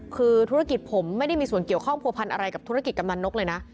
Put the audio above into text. คือธุรกิจผมไม่ได้มีส่วนเกี่ยวข้องผัวพันธ์อะไรกับธุรกิจกำนันนกเลยนะ